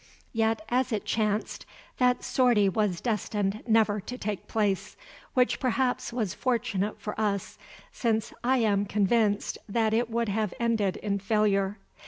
Yet, as it chanced, that sortie was destined never to take place, which perhaps was fortunate for us, since I am convinced that it would have ended in failure.